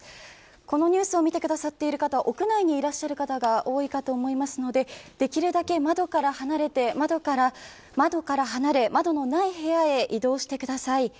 このニュースを見てくださっている方は、屋内にいらっしゃる方が多いと思いますのでできるだけ窓から離れて窓のない部屋へ移動してください。